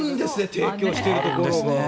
提供しているところが。